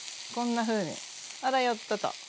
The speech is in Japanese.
こんなふうにあらよっとと。